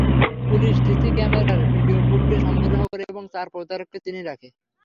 Police CC ক্যামেরার video footage সংগ্রহ করে এবং চার প্রতারককে চিনে রাখে।